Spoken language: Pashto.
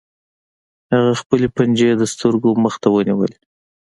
هغه خپلې پنجې د سترګو مخې ته ونیولې